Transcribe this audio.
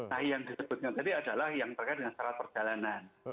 nah yang disebutkan tadi adalah yang terkait dengan syarat perjalanan